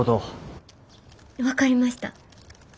分かりました。